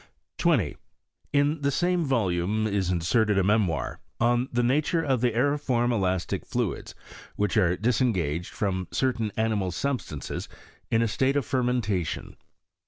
20. In the same volume is inserted a memoir " On the Nature of the aeriform elastic Fluids which are disengaged from certain animal Substances in a state of Fermentation."